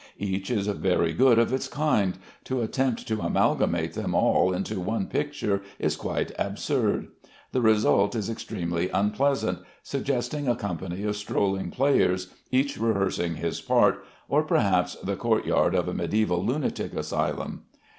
Each is very good of its kind; to attempt to amalgamate them all into one picture is quite absurd. The result is extremely unpleasant; suggesting a company of strolling players, each rehearsing his part, or perhaps the court yard of a mediæval lunatic asylum.